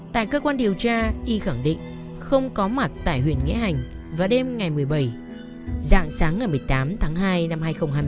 tại cơ quan điều tra y khẳng định không có mặt tại huyện nghĩa hành vào đêm ngày một mươi bảy dạng sáng ngày một mươi tám tháng hai năm hai nghìn hai mươi